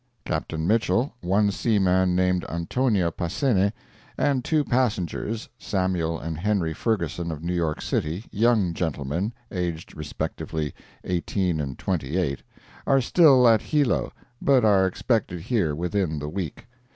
Captain Mitchell, one seaman named Antonio Passene, and two passengers (Samuel and Henry Ferguson, of New York city, young gentlemen, aged respectively 18 and 28) are still at Hilo, but are expected here within the week.